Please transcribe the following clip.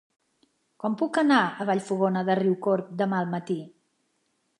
Com puc anar a Vallfogona de Riucorb demà al matí?